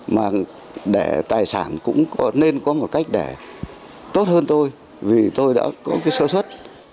mà để tài sản cũng nên có một cách để tốt hơn tôi vì tôi đã có cái sơ xuất